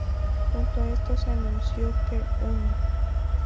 Junto a esto se anunció que "¡Uno!